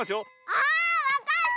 あっわかった！